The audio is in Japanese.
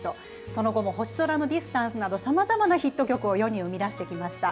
その後も星空のディスタンスなどさまざまなヒット曲を世に生み出してきました。